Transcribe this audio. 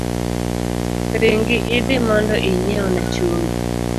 Ringi idhi mondo inyiewna chumbi.